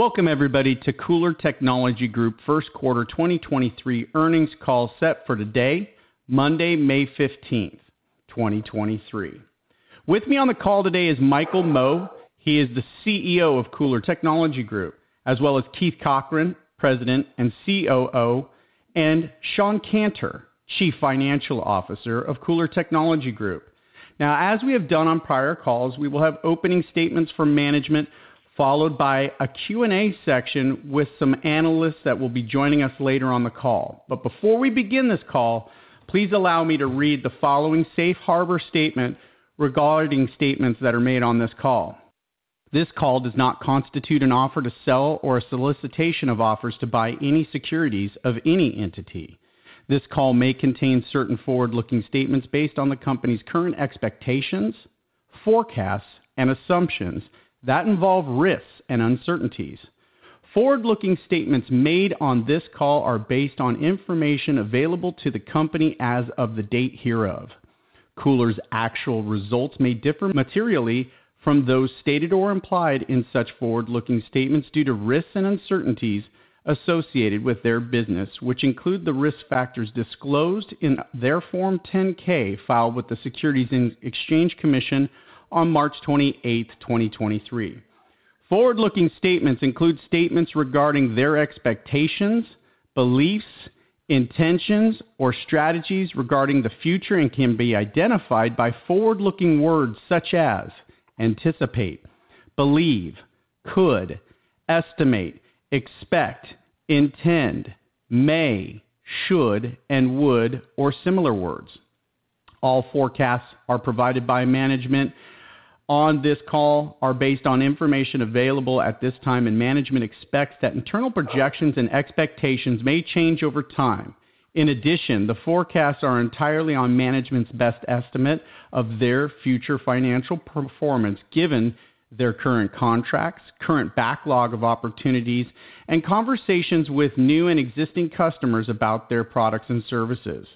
Welcome everybody to KULR Technology Group 1st quarter 2023 earnings call set for today, Monday, May 15, 2023. With me on the call today is Michael Mo, he is the CEO of KULR Technology Group, as well as Keith Cochran, President and COO, and Shawn Canter, Chief Financial Officer of KULR Technology Group. As we have done on prior calls, we will have opening statements from management followed by a Q&A section with some analysts that will be joining us later on the call. Before we begin this call, please allow me to read the following safe harbor statement regarding statements that are made on this call. This call does not constitute an offer to sell or a solicitation of offers to buy any securities of any entity. This call may contain certain forward-looking statements based on the company's current expectations, forecasts, and assumptions that involve risks and uncertainties. Forward-looking statements made on this call are based on information available to the company as of the date hereof. KULR's actual results may differ materially from those stated or implied in such forward-looking statements due to risks and uncertainties associated with their business, which include the risk factors disclosed in their Form 10-K filed with the Securities and Exchange Commission on March 28, 2023. Forward-looking statements include statements regarding their expectations, beliefs, intentions, or strategies regarding the future and can be identified by forward-looking words such as anticipate, believe, could, estimate, expect, intend, may, should, and would, or similar words. All forecasts provided by management on this call are based on information available at this time, and management expects that internal projections and expectations may change over time. In addition, the forecasts are entirely on management's best estimate of their future financial performance given their current contracts, current backlog of opportunities, and conversations with new and existing customers about their products and services.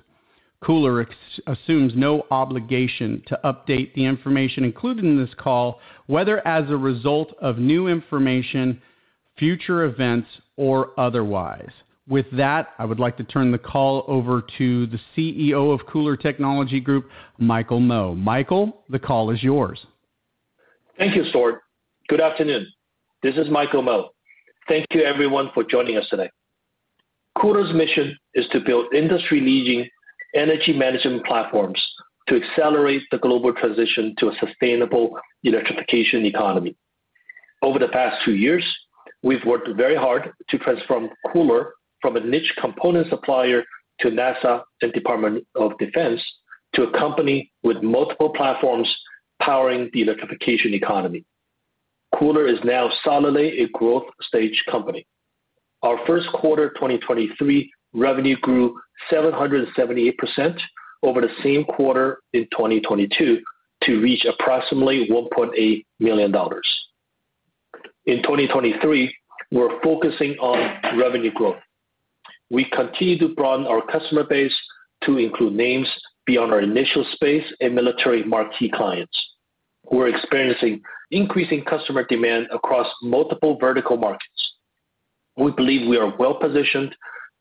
KULR assumes no obligation to update the information included in this call, whether as a result of new information, future events, or otherwise. With that, I would like to turn the call over to the CEO of KULR Technology Group, Michael Mo. Michael, the call is yours. Thank you, Stuart. Good afternoon. This is Michael Mo. Thank you everyone for joining us today. KULR's mission is to build industry-leading energy management platforms to accelerate the global transition to a sustainable electrification economy. Over the past two years, we've worked very hard to transform KULR from a niche component supplier to NASA and Department of Defense to a company with multiple platforms powering the electrification economy. KULR is now solidly a growth stage company. Our first quarter 2023 revenue grew 778% over the same quarter in 2022 to reach approximately $1.8 million. In 2023, we're focusing on revenue growth. We continue to broaden our customer base to include names beyond our initial space and military marquee clients. We're experiencing increasing customer demand across multiple vertical markets. We believe we are well-positioned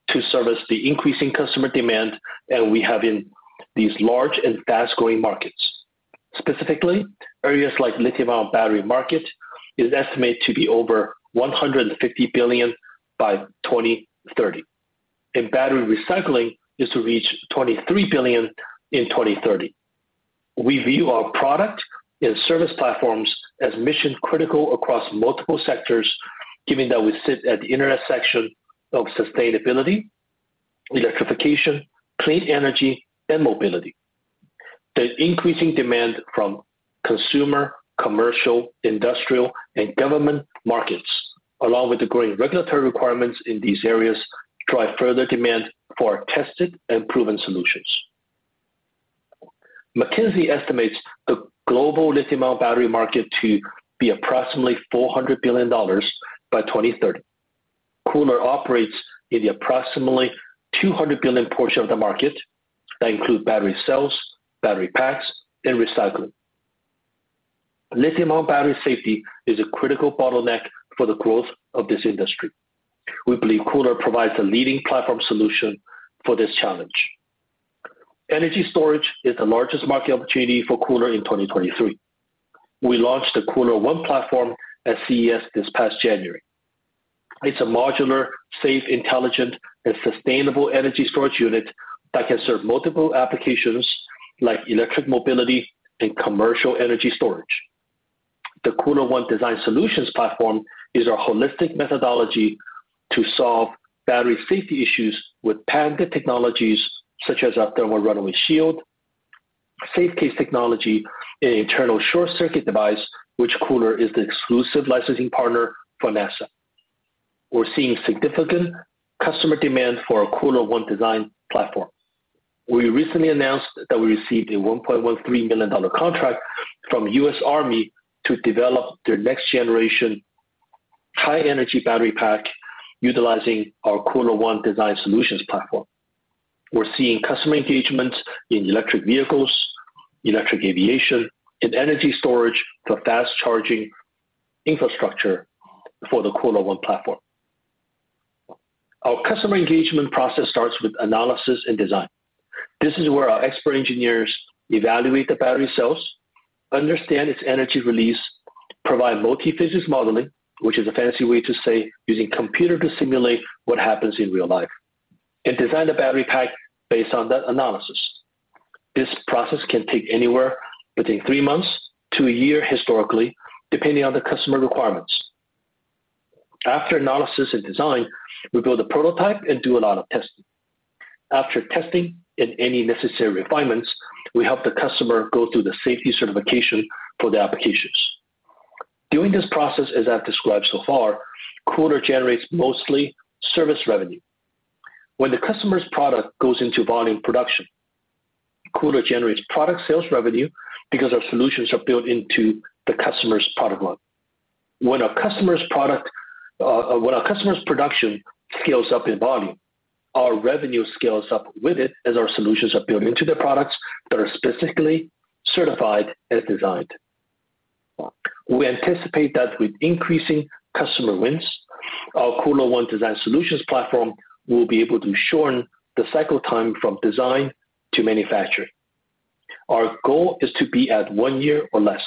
to service the increasing customer demand that we have in these large and fast-growing markets. Specifically, areas like lithium-ion battery market is estimated to be over $150 billion by 2030, and battery recycling is to reach $23 billion in 2030. We view our product and service platforms as mission-critical across multiple sectors, given that we sit at the intersection of sustainability, electrification, clean energy, and mobility. The increasing demand from consumer, commercial, industrial, and government markets, along with the growing regulatory requirements in these areas, drive further demand for our tested and proven solutions. McKinsey estimates the global lithium-ion battery market to be approximately $400 billion by 2030. KULR operates in the approximately $200 billion portion of the market that include battery cells, battery packs, and recycling. Lithium-ion battery safety is a critical bottleneck for the growth of this industry. We believe KULR provides a leading platform solution for this challenge. Energy storage is the largest market opportunity for KULR in 2023. We launched the KULR ONE platform at CES this past January. It's a modular, safe, intelligent, and sustainable energy storage unit that can serve multiple applications like electric mobility and commercial energy storage. The KULR ONE Design Solutions platform is our holistic methodology to solve battery safety issues with patented technologies such as our Thermal Runaway Shield, SafeCASE technology, and Internal Short Circuit device, which KULR is the exclusive licensing partner for NASA. We're seeing significant customer demand for our KULR ONE Design platform. We recently announced that we received a $1.13 million contract from U.S. Army to develop their next generation high-energy battery pack utilizing our KULR ONE Design Solutions platform. We're seeing customer engagement in electric vehicles, electric aviation, and energy storage for fast-charging infrastructure for the KULR ONE platform. Our customer engagement process starts with analysis and design. This is where our expert engineers evaluate the battery cells, understand its energy release, provide multi-physics modeling, which is a fancy way to say using computer to simulate what happens in real life, and design the battery pack based on that analysis. This process can take anywhere between three months to a year historically, depending on the customer requirements. After analysis and design, we build a prototype and do a lot of testing. After testing and any necessary refinements, we help the customer go through the safety certification for the applications. Doing this process as I've described so far, KULR generates mostly service revenue. When the customer's product goes into volume production, KULR generates product sales revenue because our solutions are built into the customer's product line. When a customer's production scales up in volume, our revenue scales up with it as our solutions are built into the products that are specifically certified and designed. We anticipate that with increasing customer wins, our KULR ONE Design Solutions platform will be able to shorten the cycle time from design to manufacturing. Our goal is to be at one year or less,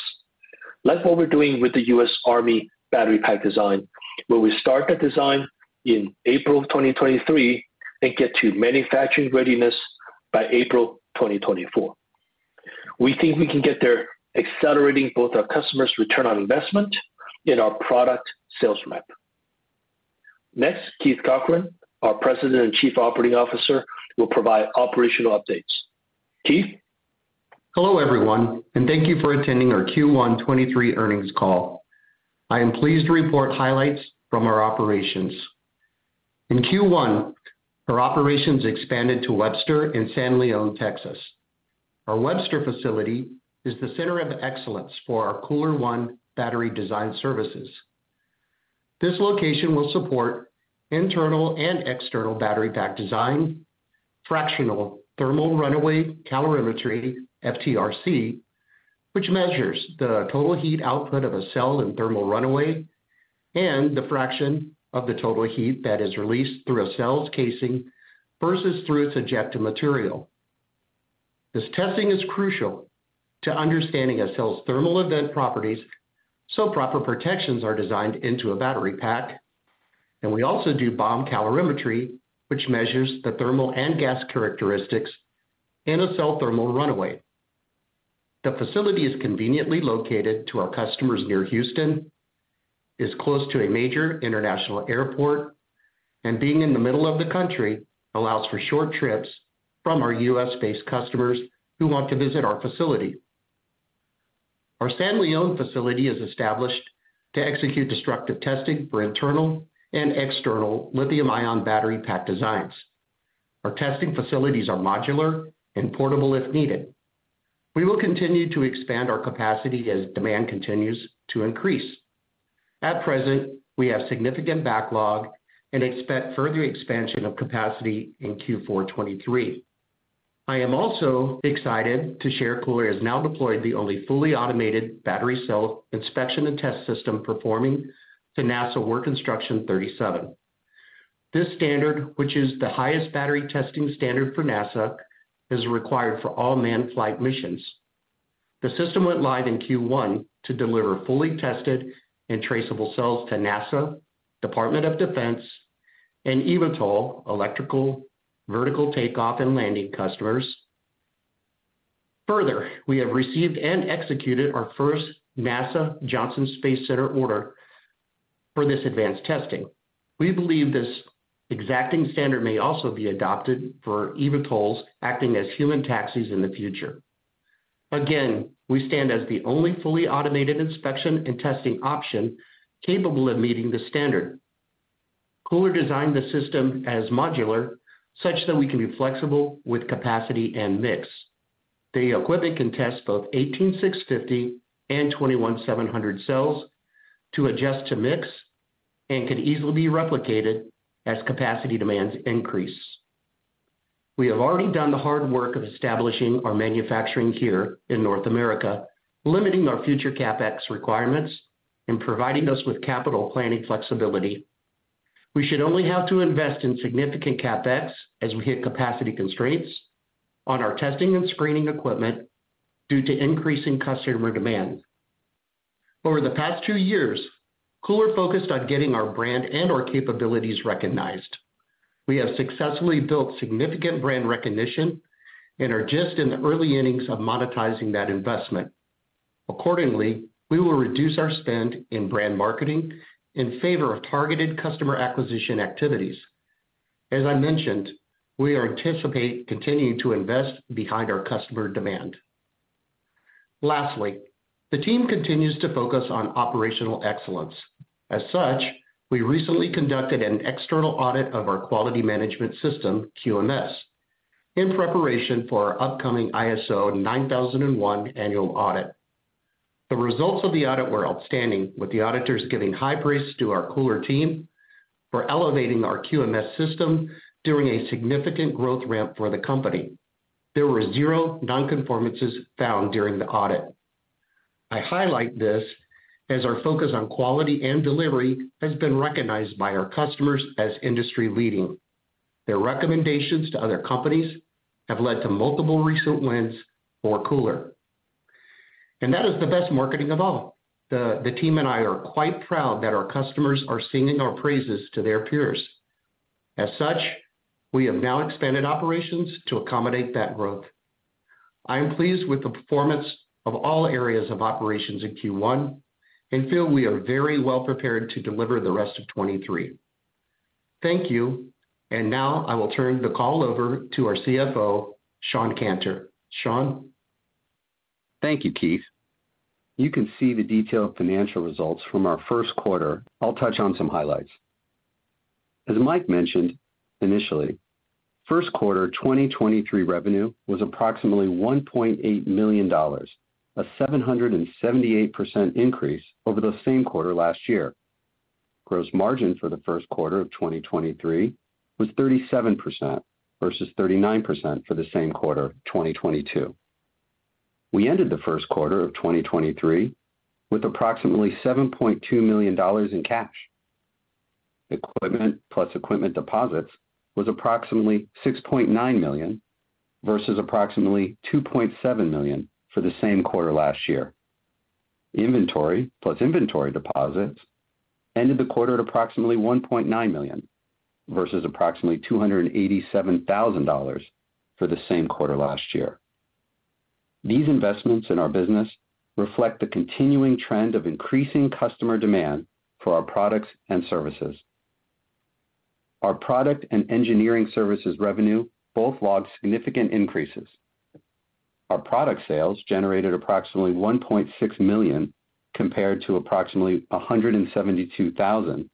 like what we're doing with the U.S. Army battery pack design, where we start the design in April 2023 and get to manufacturing readiness by April 2024. We think we can get there accelerating both our customers' return on investment in our product sales map. Next, Keith Cochran, our President and Chief Operating Officer, will provide operational updates. Keith. Hello, everyone, thank you for attending our Q1 2023 earnings call. I am pleased to report highlights from our operations. In Q1, our operations expanded to Webster and San Leon, Texas. Our Webster facility is the center of excellence for our KULR ONE battery design services. This location will support internal and external battery pack design, Fractional Thermal Runaway Calorimetry, FTRC, which measures the total heat output of a cell in thermal runaway and the fraction of the total heat that is released through a cell's casing versus through its ejected material. This testing is crucial to understanding a cell's thermal event properties, so proper protections are designed into a battery pack. We also do bomb calorimetry, which measures the thermal and gas characteristics in a cell thermal runaway. The facility is conveniently located to our customers near Houston, is close to a major international airport, and being in the middle of the country allows for short trips from our U.S.-based customers who want to visit our facility. Our San Leon facility is established to execute destructive testing for internal and external lithium-ion battery pack designs. Our testing facilities are modular and portable if needed. We will continue to expand our capacity as demand continues to increase. At present, we have significant backlog and expect further expansion of capacity in Q4 2023. I am also excited to share KULR has now deployed the only fully automated battery cell inspection and test system performing to NASA Work Instruction 37. This standard, which is the highest battery testing standard for NASA, is required for all manned flight missions. The system went live in Q1 to deliver fully tested and traceable cells to NASA, Department of Defense, and eVTOL, electrical vertical takeoff and landing customers. We have received and executed our first NASA Johnson Space Center order for this advanced testing. We believe this exacting standard may also be adopted for eVTOLs acting as human taxis in the future. We stand as the only fully automated inspection and testing option capable of meeting the standard. KULR designed the system as modular, such that we can be flexible with capacity and mix. The equipment can test both 18650 and 21700 cells to adjust to mix and can easily be replicated as capacity demands increase. We have already done the hard work of establishing our manufacturing here in North America, limiting our future CapEx requirements and providing us with capital planning flexibility. We should only have to invest in significant CapEx as we hit capacity constraints on our testing and screening equipment due to increase in customer demand. Over the past two years, KULR focused on getting our brand and our capabilities recognized. We have successfully built significant brand recognition and are just in the early innings of monetizing that investment. Accordingly, we will reduce our spend in brand marketing in favor of targeted customer acquisition activities. As I mentioned, we are anticipate continuing to invest behind our customer demand. Lastly, the team continues to focus on operational excellence. As such, we recently conducted an external audit of our quality management system, QMS, in preparation for our upcoming ISO 9001 annual audit. The results of the audit were outstanding, with the auditors giving high praise to our KULR team for elevating our QMS system during a significant growth ramp for the company. There were 0 non-conformances found during the audit. I highlight this as our focus on quality and delivery has been recognized by our customers as industry-leading. Their recommendations to other companies have led to multiple recent wins for KULR, and that is the best marketing of all. The team and I are quite proud that our customers are singing our praises to their peers. As such, we have now expanded operations to accommodate that growth. I am pleased with the performance of all areas of operations in Q1 and feel I am very well prepared to deliver the rest of 2023. Thank you. Now I will turn the call over to our CFO, Shawn Canter. Shawn? Thank you, Keith. You can see the detailed financial results from our first quarter. I'll touch on some highlights. As Mike mentioned initially, first quarter 2023 revenue was approximately $1.8 million, a 778% increase over the same quarter last year. Gross margin for the first quarter of 2023 was 37% versus 39% for the same quarter, 2022. We ended the first quarter of 2023 with approximately $7.2 million in cash. Equipment plus equipment deposits was approximately $6.9 million versus approximately $2.7 million for the same quarter last year. Inventory plus inventory deposits ended the quarter at approximately $1.9 million versus approximately $287,000 for the same quarter last year. These investments in our business reflect the continuing trend of increasing customer demand for our products and services. Our product and engineering services revenue both logged significant increases. Our product sales generated approximately $1.6 million compared to approximately $172,000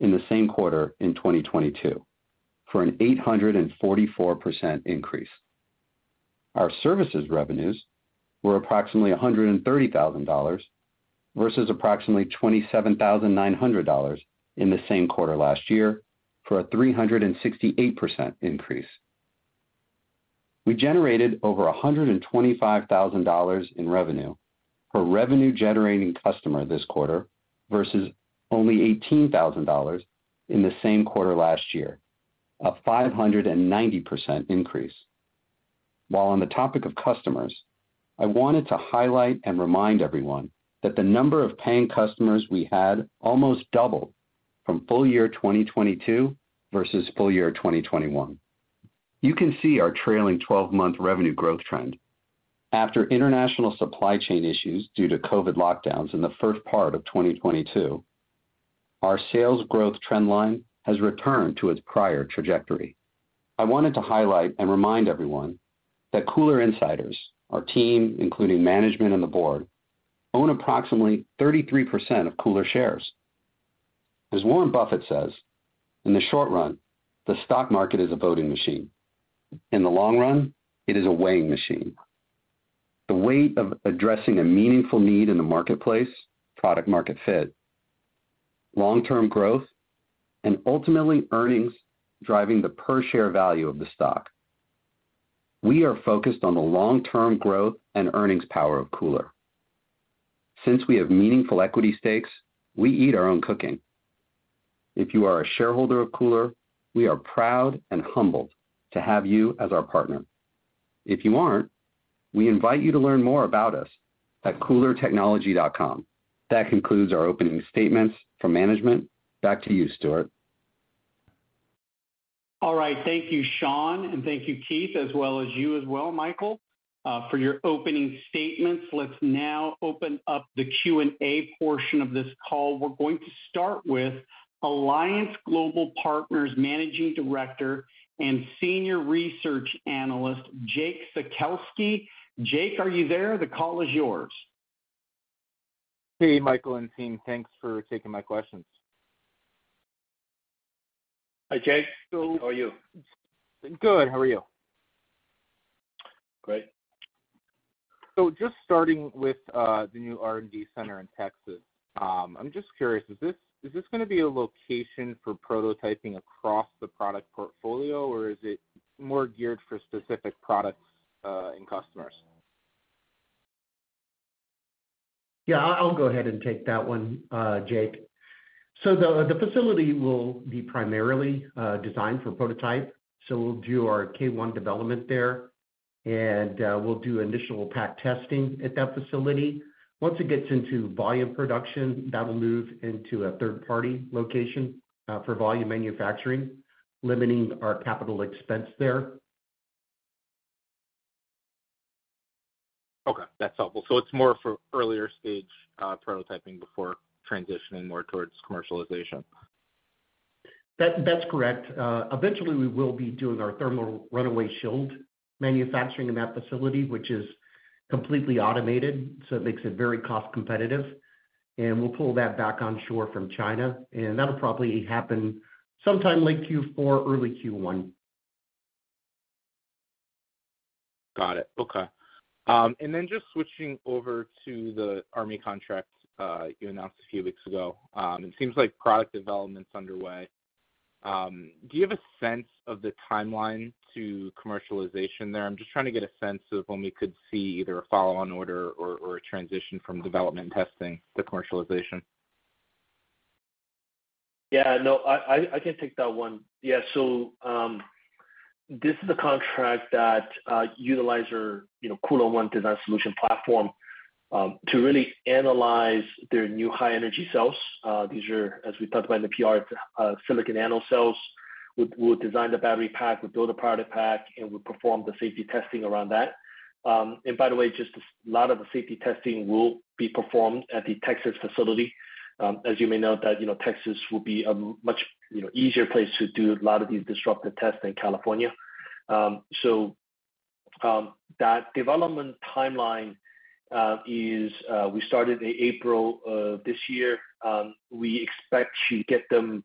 in the same quarter in 2022, for an 844% increase. Our services revenues were approximately $130,000 versus approximately $27,900 in the same quarter last year for a 368% increase. We generated over $125,000 in revenue per revenue-generating customer this quarter versus only $18,000 in the same quarter last year, a 590% increase. While on the topic of customers, I wanted to highlight and remind everyone that the number of paying customers we had almost doubled from full year 2022 versus full year 2021. You can see our trailing twelve-month revenue growth trend. After international supply chain issues due to COVID lockdowns in the first part of 2022, our sales growth trend line has returned to its prior trajectory. I wanted to highlight and remind everyone that KULR insiders, our team, including management and the board, own approximately 33% of KULR shares. As Warren Buffett says, "In the short run, the stock market is a voting machine. In the long run, it is a weighing machine." The weight of addressing a meaningful need in the marketplace, product market fit, long-term growth and ultimately earnings driving the per share value of the stock. We are focused on the long-term growth and earnings power of KULR. Since we have meaningful equity stakes, we eat our own cooking. If you are a shareholder of KULR, we are proud and humbled to have you as our partner. If you aren't, we invite you to learn more about us at kulrtechnology.com. That concludes our opening statements from management. Back to you, Stuart. All right. Thank you, Shawn, and thank you, Keith, as well as you as well, Michael, for your opening statements. Let's now open up the Q&A portion of this call. We're going to start with Alliance Global Partners Managing Director and Senior Research Analyst, Jake Sekelsky. Jake, are you there? The call is yours. Hey, Michael and team. Thanks for taking my questions. Hi, Jake. How are you? Good. How are you? Great. Just starting with, the new R&D center in Texas, I'm just curious, is this gonna be a location for prototyping across the product portfolio, or is it more geared for specific products, and customers? Yeah, I'll go ahead and take that one, Jake. The facility will be primarily designed for prototype. We'll do our KULR ONE development there, and we'll do initial pack testing at that facility. Once it gets into volume production, that will move into a third-party location for volume manufacturing, limiting our capital expense there. Okay. That's helpful. It's more for earlier stage prototyping before transitioning more towards commercialization. That's correct. Eventually we will be doing our Thermal Runaway Shield manufacturing in that facility, which is completely automated, so it makes it very cost competitive. We'll pull that back onshore from China, That'll probably happen sometime late Q4, early Q1. Got it. Okay. Just switching over to the Army contract, you announced a few weeks ago. It seems like product development's underway. Do you have a sense of the timeline to commercialization there? I'm just trying to get a sense of when we could see either a follow-on order or a transition from development testing to commercialization. No, I, I can take that one. This is a contract that utilizes, you know, KULR ONE Design Solutions platform to really analyze their new high energy cells. These are, as we talked about in the PR, silicon anode cells. We'll design the battery pack, we'll build a product pack, and we'll perform the safety testing around that. And by the way, a lot of the safety testing will be performed at the Texas facility. As you may know that, you know, Texas will be a much, you know, easier place to do a lot of these disruptive tests than California. That development timeline is we started in April of this year. We expect to get them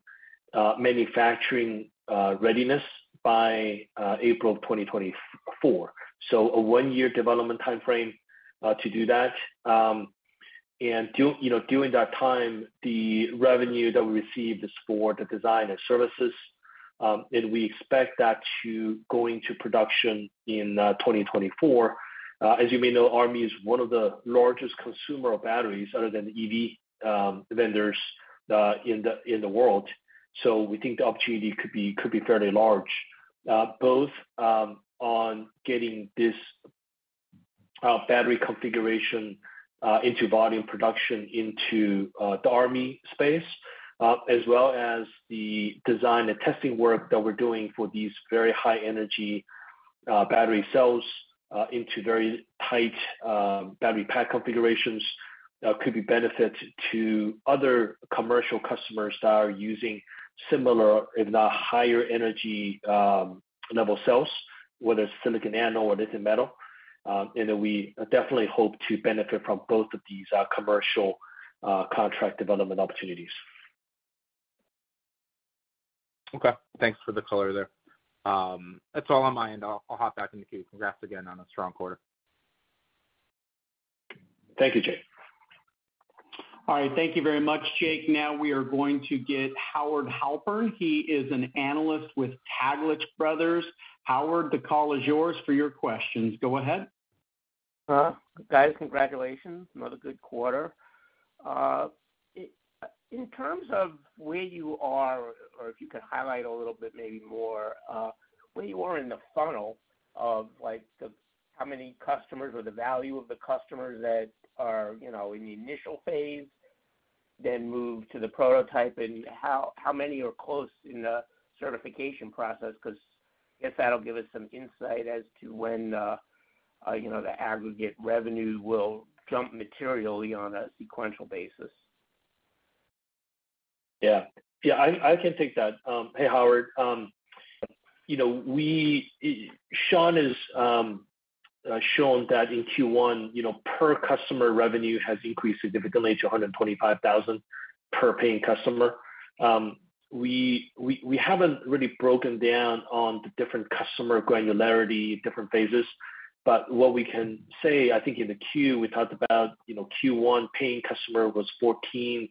manufacturing readiness by April of 2024. A 1-year development time frame to do that. During that time, the revenue that we receive is for the design and services. We expect that to go into production in 2024. As you may know, Army is one of the largest consumer of batteries other than EV vendors in the world. We think the opportunity could be fairly large, both on getting this battery configuration into volume production into the Army space, as well as the design and testing work that we're doing for these very high energy battery cells into very tight battery pack configurations could be benefit to other commercial customers that are using similar, if not higher energy level cells, whether it's silicon anode or lithium metal. We definitely hope to benefit from both of these, commercial, contract development opportunities. Okay. Thanks for the color there. That's all on my end. I'll hop back in the queue. Congrats again on a strong quarter. Thank you, Jake. All right. Thank you very much, Jake. Now we are going to get Howard Halpern. He is an analyst with Taglich Brothers. Howard, the call is yours for your questions. Go ahead. Guys, congratulations. Another good quarter. In terms of where you are or if you could highlight a little bit maybe more, where you are in the funnel of like the, how many customers or the value of the customers that are, you know, in the initial phase then move to the prototype and how many are close in the certification process? I guess that'll give us some insight as to when, you know, the aggregate revenue will jump materially on a sequential basis. Yeah, I can take that. Hey, Howard. You know, Shawn has shown that in Q1, you know, per customer revenue has increased significantly to $125,000 per paying customer. We haven't really broken down on the different customer granularity, different phases, but what we can say, I think in the queue, we talked about, you know, Q1 paying customer was 14.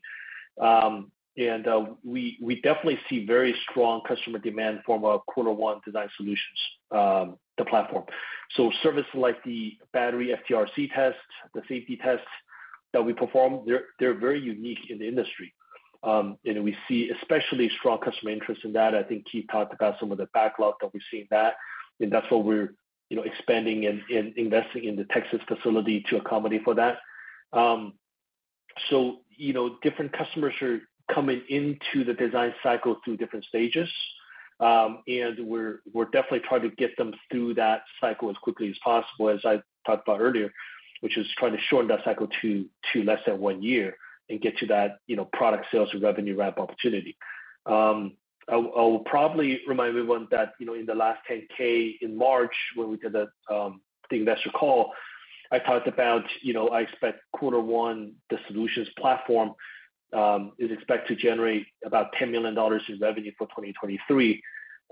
And we definitely see very strong customer demand from a quarter one Design Solutions, the platform. Service like the battery FTRC test, the safety tests that we perform, they're very unique in the industry. And we see especially strong customer interest in that. I think Keith talked about some of the backlog that we've seen that. That's what we're, you know, expanding and investing in the Texas facility to accommodate for that. You know, different customers are coming into the design cycle through different stages. We're definitely trying to get them through that cycle as quickly as possible, as I talked about earlier, which is trying to shorten that cycle to less than one year and get to that, you know, product sales revenue ramp opportunity. I'll probably remind everyone that, you know, in the last 10-K in March when we did the investor call, I talked about, you know, I expect quarter one, the solutions platform, is expected to generate about $10 million in revenue for 2023,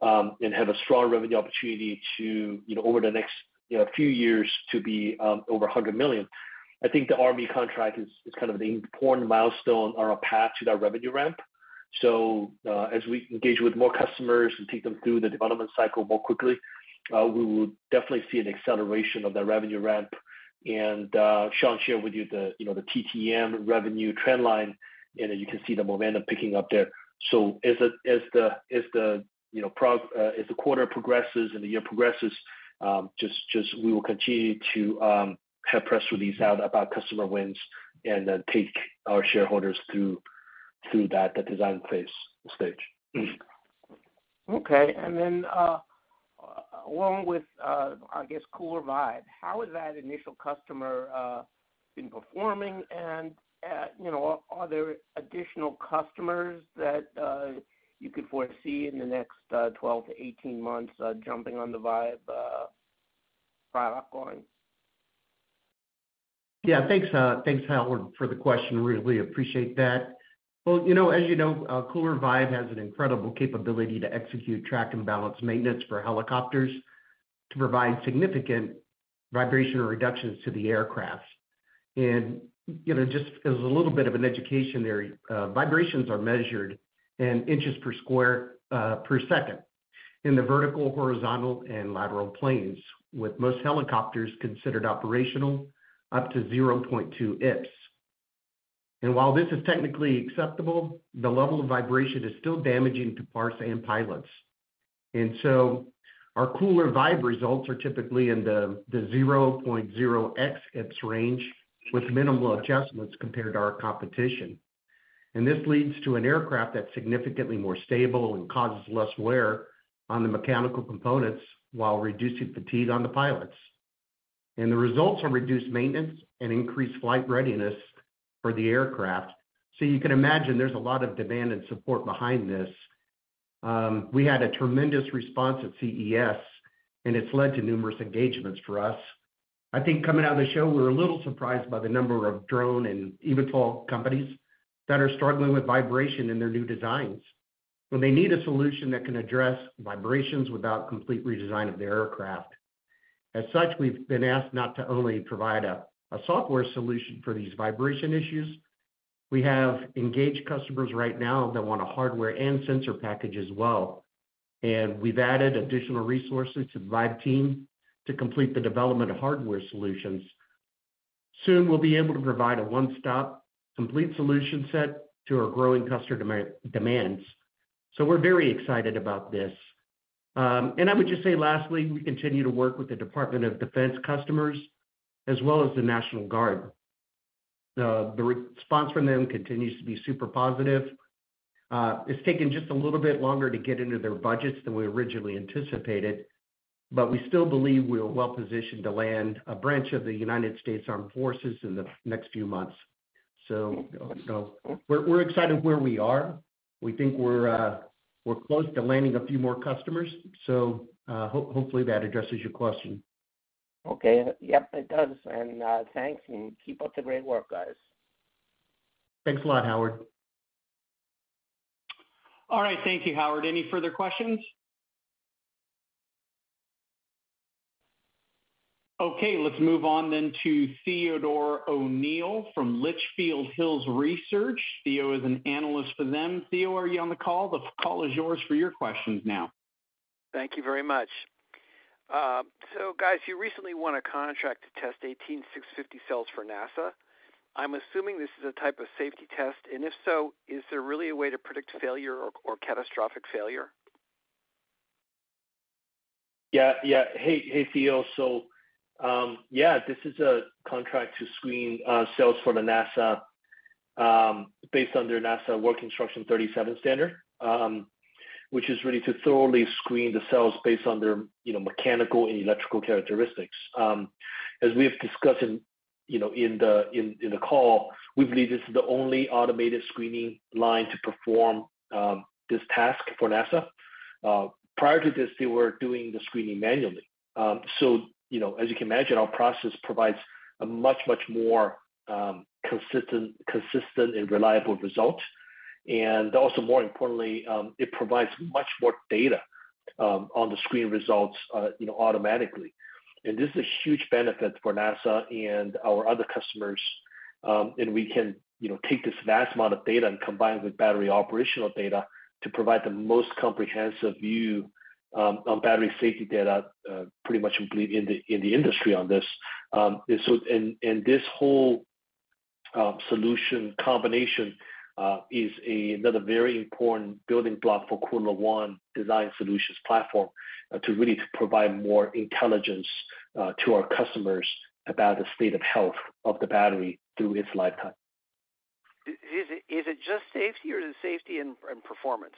and have a strong revenue opportunity to, you know, over the next, you know, few years to be over $100 million. I think the U.S. Army contract is kind of an important milestone on our path to that revenue ramp. As we engage with more customers and take them through the development cycle more quickly, we will definitely see an acceleration of that revenue ramp. Shawn shared with you the, you know, the TTM revenue trend line, and you can see the momentum picking up there. As the, you know, as the quarter progresses and the year progresses, just we will continue to have press release out about customer wins and then take our shareholders through that, the design phase stage. Okay. Along with, I guess KULR Vibe, how has that initial customer been performing? You know, are there additional customers that you could foresee in the next 12-18 months jumping on the Vibe product line? Yeah, thanks Howard for the question. Really appreciate that. Well, you know, as you know, KULR Vibe has an incredible capability to execute track and balance maintenance for helicopters to provide significant vibrational reductions to the aircraft. You know, just as a little bit of an education there, vibrations are measured in inches per square per second in the vertical, horizontal, and lateral planes, with most helicopters considered operational up to 0.2 IPS. While this is technically acceptable, the level of vibration is still damaging to parts and pilots. Our KULR Vibe results are typically in the 0.0X IPS range with minimal adjustments compared to our competition. This leads to an aircraft that's significantly more stable and causes less wear on the mechanical components while reducing fatigue on the pilots. The results are reduced maintenance and increased flight readiness for the aircraft. You can imagine there's a lot of demand and support behind this. We had a tremendous response at CES, and it's led to numerous engagements for us. I think coming out of the show, we're a little surprised by the number of drone and eVTOL companies that are struggling with vibration in their new designs. They need a solution that can address vibrations without complete redesign of the aircraft. As such, we've been asked not to only provide a software solution for these vibration issues. We have engaged customers right now that want a hardware and sensor package as well, and we've added additional resources to the Vibe team to complete the development of hardware solutions. Soon we'll be able to provide a one-stop complete solution set to our growing customer demands. We're very excited about this. I would just say lastly, we continue to work with the Department of Defense customers as well as the National Guard. The response from them continues to be super positive. It's taken just a little bit longer to get into their budgets than we originally anticipated, we still believe we are well positioned to land a branch of the United States Armed Forces in the next few months. We're excited where we are. We think we're close to landing a few more customers, hopefully that addresses your question. Okay. Yep, it does. Thanks, and keep up the great work, guys. Thanks a lot, Howard. All right. Thank you, Howard. Any further questions? Let's move on to Theodore O'Neill from Litchfield Hills Research. Theo is an analyst for them. Theo, are you on the call? The call is yours for your questions now. Thank you very much. Guys, you recently won a contract to test 18650 cells for NASA. I'm assuming this is a type of safety test, and if so, is there really a way to predict failure or catastrophic failure? Yeah. Yeah. Hey, hey, Theo. Yeah, this is a contract to screen cells for the NASA based on their NASA Work Instruction 37 standard, which is really to thoroughly screen the cells based on their, you know, mechanical and electrical characteristics. As we have discussed in, you know, in the call, we believe this is the only automated screening line to perform this task for NASA. Prior to this, they were doing the screening manually. You know, as you can imagine, our process provides a much more consistent and reliable result. Also more importantly, it provides much more data on the screen results, you know, automatically. This is a huge benefit for NASA and our other customers, and we can, you know, take this vast amount of data and combine it with battery operational data to provide the most comprehensive view on battery safety data, pretty much complete in the industry on this. This whole solution combination is another very important building block for KULR ONE Design Solutions platform to really provide more intelligence to our customers about the state of health of the battery through its lifetime. Is it just safety or is it safety and performance?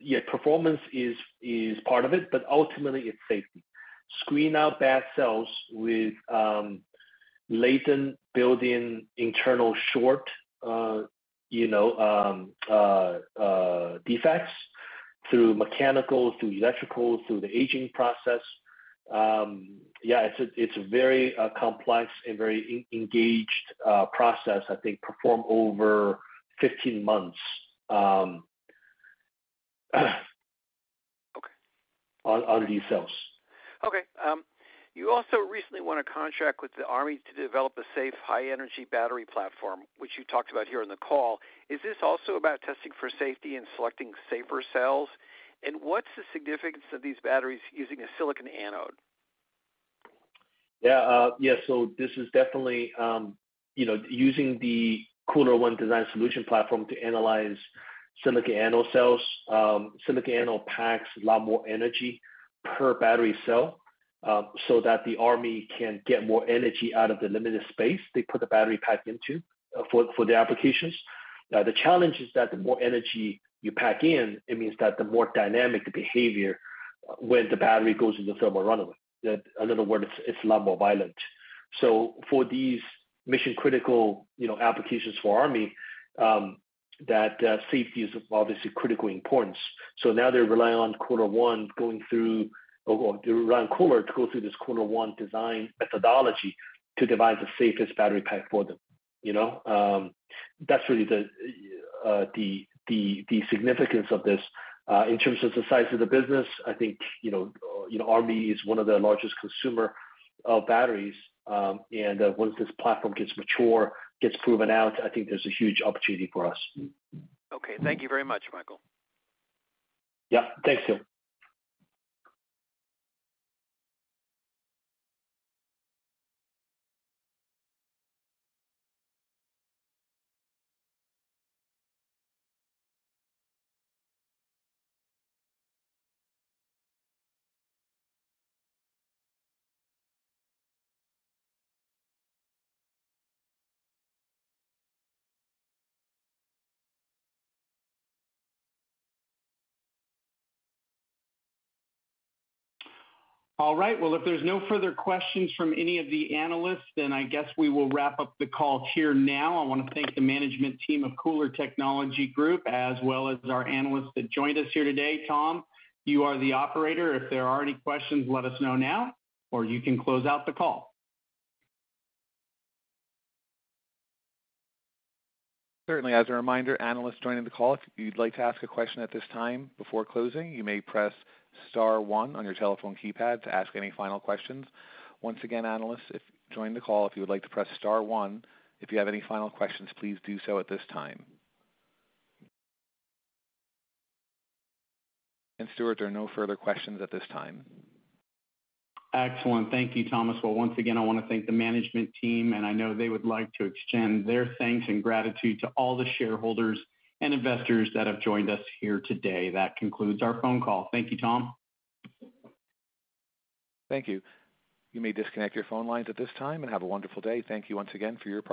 Yeah, performance is part of it, but ultimately it's safety. Screen out bad cells with latent built-in internal short, you know, defects through mechanical, through electrical, through the aging process. Yeah, it's a very complex and very en-engaged process, I think, performed over 15 months. Okay. On these cells. Okay. You also recently won a contract with the Army to develop a safe high-energy battery platform, which you talked about here on the call. Is this also about testing for safety and selecting safer cells? What's the significance of these batteries using a silicon anode? Yes. This is definitely, you know, using the KULR ONE design solution platform to analyze silicon anode cells. Silicon anode packs a lot more energy per battery cell, so that the Army can get more energy out of the limited space they put the battery pack into, for the applications. The challenge is that the more energy you pack in, it means that the more dynamic the behavior when the battery goes into thermal runaway. In other words, it's a lot more violent. For these mission critical, you know, applications for Army, that safety is of obviously critical importance. Now they rely on KULR ONE going through or they rely on KULR to go through this KULR ONE design methodology to devise the safest battery pack for them, you know? That's really the significance of this. In terms of the size of the business, I think, you know, Army is one of the largest consumer of batteries. Once this platform gets mature, gets proven out, I think there's a huge opportunity for us. Okay. Thank you very much, Michael. Yeah, thanks, Theodore. All right. Well, if there's no further questions from any of the analysts, then I guess we will wrap up the call here now. I wanna thank the management team of KULR Technology Group, as well as our analysts that joined us here today. Tom, you are the operator. If there are any questions, let us know now, or you can close out the call. Certainly. As a reminder, analysts joining the call, if you'd like to ask a question at this time before closing, you may press star one on your telephone keypad to ask any final questions. Once again, analysts, if joining the call, if you would like to press star one if you have any final questions, please do so at this time. Stuart, there are no further questions at this time. Excellent. Thank you, Thomas. Well, once again, I wanna thank the management team, and I know they would like to extend their thanks and gratitude to all the shareholders and investors that have joined us here today. That concludes our phone call. Thank you, Tom. Thank you. You may disconnect your phone lines at this time. Have a wonderful day. Thank you once again for your participation.